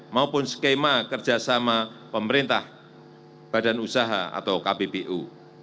maupun skema kerjasama pemerintah badan usaha atau kppu